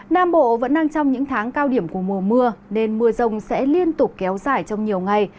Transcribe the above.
nam bộ vẫn đang trong những tháng cao điểm của mùa mưa nên mưa rông sẽ liên tục kéo dài trong nhiều ngày